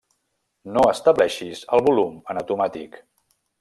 No estableixis el volum en automàtic.